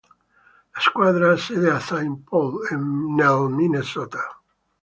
La squadra ha sede a Saint Paul, nel Minnesota.